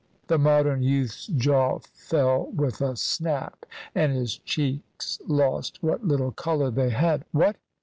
The Modern youth's jaw fell with a snap, and his cheeks lost what little colour they had. "What?